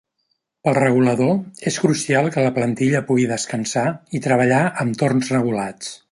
Pel regulador és crucial que la plantilla pugui descansar i treballar amb torns regulats.